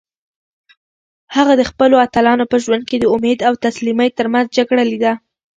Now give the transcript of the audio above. هغه د خپلو اتلانو په ژوند کې د امید او تسلیمۍ ترمنځ جګړه لیده.